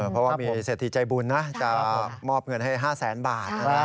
เพราะว่ามีเศรษฐีใจบุญนะจะมอบเงินให้๕แสนบาท